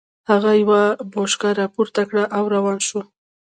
هغه يوه بوشکه را پورته کړه او روان شو.